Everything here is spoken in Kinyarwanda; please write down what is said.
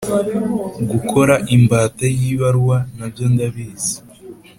Gukora imbata yibaruwa nabyo ndabizi